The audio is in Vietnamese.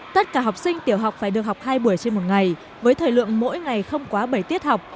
tất cả học sinh tiểu học phải được học hai buổi trên một ngày với thời lượng mỗi ngày không quá bảy tiết học